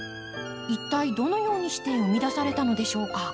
一体どのようにして生み出されたのでしょうか。